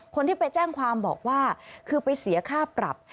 คนที่ไปแจ้งความบอกว่าคือไปเสียค่าปรับ